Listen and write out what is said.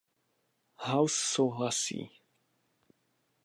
House souhlasí.